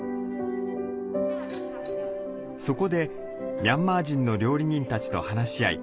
そこでミャンマー人の料理人たちと話し合い